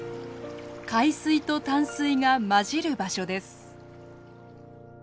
海水と淡水が混じる場所です。